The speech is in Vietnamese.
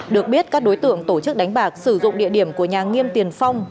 được biết các đối tượng tổ chức đánh bạc sử dụng địa điểm của nhà nghiêm tiền phong